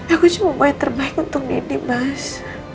aku cuma buat yang terbaik untuk nini mas